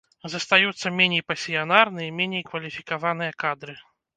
Застаюцца меней пасіянарныя, меней кваліфікаваныя кадры.